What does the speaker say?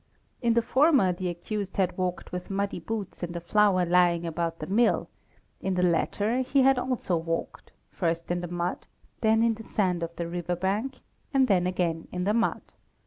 In the former the accused had walked with muddy boots in the flour lying about the mill: in the latter he had also walked, first in the mud, then in the sand of the river bank, and then again in the mud.